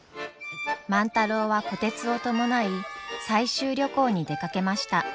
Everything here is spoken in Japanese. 万太郎は虎鉄を伴い採集旅行に出かけました。